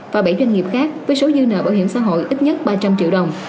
và bảy doanh nghiệp khác với số dư nợ bảo hiểm xã hội ít nhất ba trăm linh triệu đồng